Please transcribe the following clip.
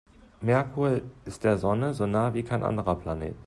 Merkur ist der Sonne so nah wie kein anderer Planet.